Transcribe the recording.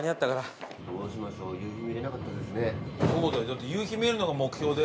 だって。